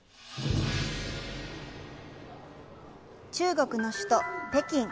中国の首都、北京。